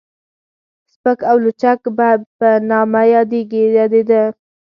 سپک او لچک به په نامه يادېده.